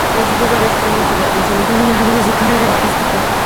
Recibió varios premios y distinciones a lo largo de su carrera artística.